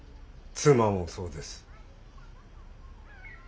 妻もそうです。